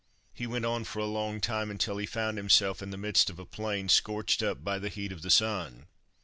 He went on for a long time until he found himself in the midst of a plain scorched up by the heat of the sun.